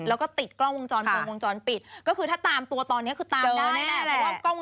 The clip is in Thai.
แล้วก็ติดกล้องวงจรพูดกล้องวงจรปิดก็คือถ้าตามตัวตอนนี้คือตามได้แน่เหละ